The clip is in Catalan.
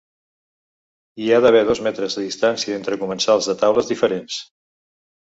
Hi ha d’haver dos metres de distància entre comensals de taules diferents.